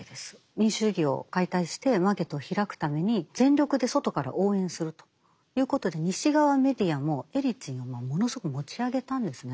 民主主義を解体してマーケットを開くために全力で外から応援するということで西側メディアもエリツィンをものすごく持ち上げたんですね